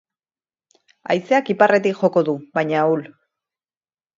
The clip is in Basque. Haizeak iparretik joko du, baina ahul.